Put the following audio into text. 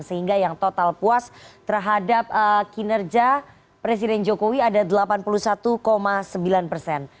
sehingga yang total puas terhadap kinerja presiden jokowi ada delapan puluh satu sembilan persen